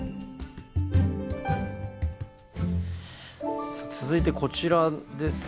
さあ続いてこちらですか？